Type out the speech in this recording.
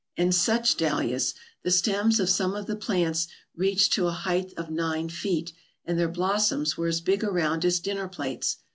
And such dahlias! The stems of some of the plants reached to a height of nine feet, and their blossoms were as big around as dinner plates.